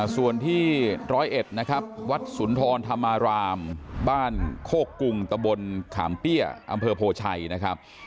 ส่วนที่ร้อยเอ็ดวัดศูนย์ทรอนธรรมารามบ้านโฆกกุลตะบลขามเปี้ยะอำเภอโผชัยนะครับ